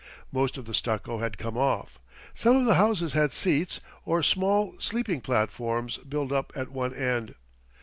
Most of the stucco had come off. Some of the houses had seats, or small sleeping platforms, built up at one end.